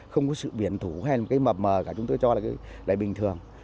không có sự biển thủ hay là một cái mập mờ cả chúng tôi cho là bình thường